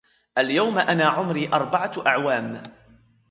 اليوم أنا عمري أربعة اعوام.